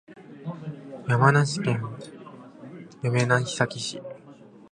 山梨県韮崎市